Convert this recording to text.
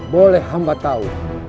boleh hamba tahu